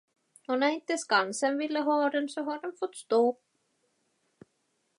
Och när inte Skansen ville ha den, så har den fått stå.